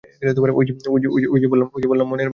ঐ যে বললাম মনের বাঘ।